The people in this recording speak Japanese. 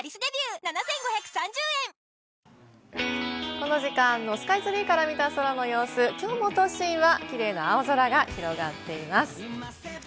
この時間のスカイツリーから見た空の様子、きょうも都心はキレイな青空が広がっています。